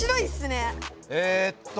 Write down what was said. えっと。